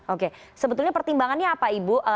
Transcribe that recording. oke sebetulnya pertimbangannya apa ibu